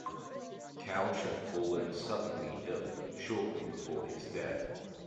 Couch had fallen suddenly ill shortly before his death.